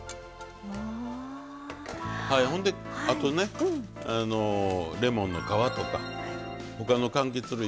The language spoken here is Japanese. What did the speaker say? ほんであとねレモンの皮とか他のかんきつ類